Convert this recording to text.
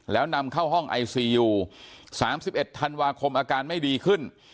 แล้วนำเข้าห้องไอซียู๓๑ธันวาคมอาการไม่ดีขึ้น